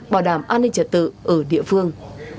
bảo đảm an ninh trật tự ở địa phương